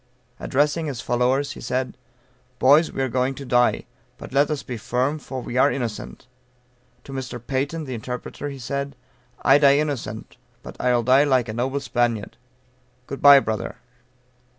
Addressing his followers, he said, "Boys, we are going to die; but let us be firm, for we are innocent." To Mr. Peyton, the interpreter, he said, "I die innocent, but I'll die like a noble Spaniard. Good bye, brother."